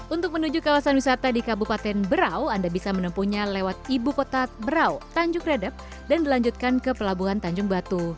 untuk menuju kawasan wisata di kabupaten berau anda bisa menempuhnya lewat ibu kota berau tanjung redep dan dilanjutkan ke pelabuhan tanjung batu